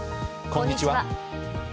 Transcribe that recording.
こんにちは。